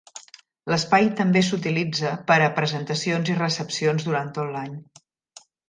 L'espai també s'utilitza per a presentacions i recepcions durant tot l'any.